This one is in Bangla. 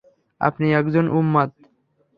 আপনি একজন উন্মাদ!